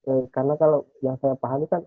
ya karena kalau yang saya pahami kan